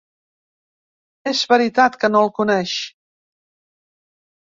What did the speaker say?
És veritat que no el coneix.